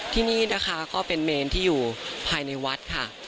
ที่นี่นะคะก็เป็นเมนที่อยู่ภายในวัดค่ะ